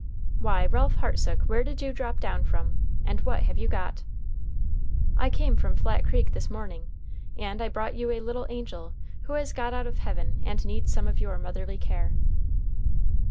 "Why, Ralph Hartsook, where did you drop down from and what have you got?" "I came from Flat Creek this morning, and I brought you a little angel who has got out of heaven, and needs some of your motherly care."